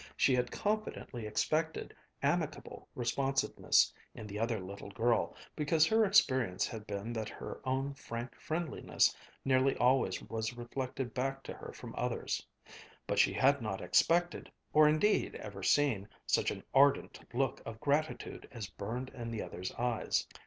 She had confidently expected amicable responsiveness in the other little girl, because her experience had been that her own frank friendliness nearly always was reflected back to her from others; but she had not expected, or indeed ever seen, such an ardent look of gratitude as burned in the other's eyes.